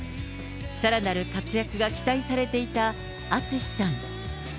さらなる活躍が期待されていたＡＴＳＵＳＨＩさん。